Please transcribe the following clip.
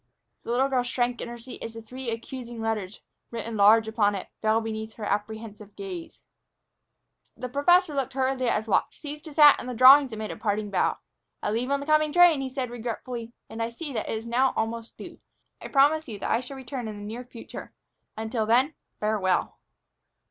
The little girl shrank in her seat as the three accusing letters, written large upon it, fell beneath her apprehensive gaze: The professor looked hurriedly at his watch, seized his hat and the drawings, and made a parting bow. "I leave on the coming train," he said regretfully; "I see that it is now almost due. I promise you that I shall return in the near future. Until then, farewell."